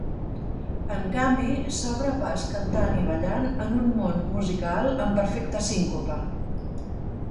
En canvi, s'obre pas cantant i ballant en un món musical en perfecta síncope.